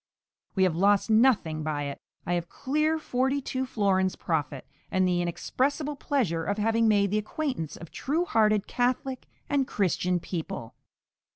We have lost nothing by it. I have clear forty two florins profit, and the inexpressible pleasure of having made the acquaintance of true hearted Catholic and Christian people.